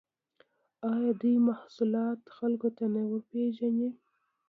آیا دوی محصولات خلکو ته نه ورپېژني؟